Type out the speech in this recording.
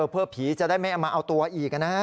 เพื่อผีจะได้ไม่เอามาเอาตัวอีกนะฮะ